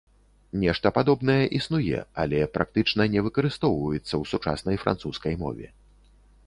Нешта падобнае існуе, але практычна не выкарыстоўваецца ў сучаснай французскай мове.